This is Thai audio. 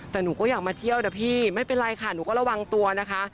แต่หนูก็อยากมาเที่ยวนะพี่ไม่เป็นไรค่ะหนูก็ระวังตัวนะคะ